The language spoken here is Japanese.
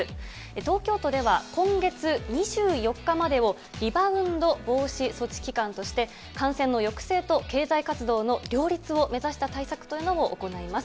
東京都では今月２４日までをリバウンド防止措置期間として、感染の抑制と経済活動の両立を目指した対策というのを行います。